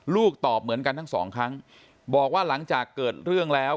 ตอบเหมือนกันทั้งสองครั้งบอกว่าหลังจากเกิดเรื่องแล้ว